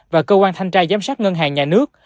và cơ quan thanh tra giám sát ngân hàng nhà nước